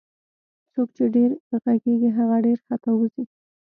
څوک چي ډير ږغږي هغه ډير خطاوزي